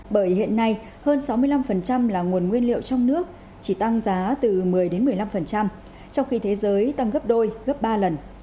bởi hiện nay hơn sáu mươi năm là nguồn nguyên liệu trong nước chỉ tăng giá từ một mươi một mươi năm trong khi thế giới tăng gấp đôi gấp ba lần